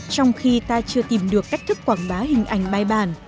trong khi ta chưa tìm được cách thức quảng bá hình ảnh bài bản